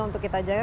untuk kita jaga